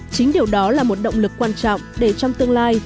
chính điều đó là một động lực quan trọng để trong tương lai